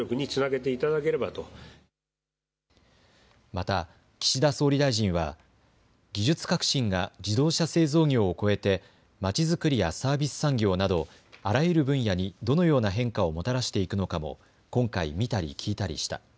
また岸田総理大臣は技術革新が自動車製造業を超えてまちづくりやサービス産業などあらゆる分野にどのような変化をもたらしていくのかも今回、見たり、聞いたりした。